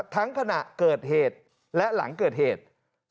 ขณะเกิดเหตุและหลังเกิดเหตุ